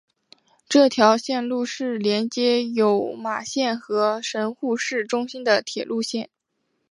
这条线路是连接有马线和神户市中心的铁路线。